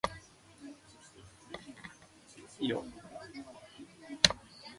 向こう岸へ渡る